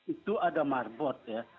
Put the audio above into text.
itu ada marbot ya